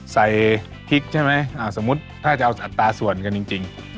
ใส่พริกใช่ไหมสมมุติถ้าจะเอาอัตราส่วนกันจริง